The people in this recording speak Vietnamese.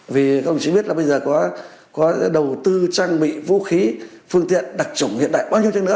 vì các bộ chính biết là bây giờ có đầu tư trang bị vũ khí phương tiện đặc trủng hiện đại bao nhiêu chừng nữa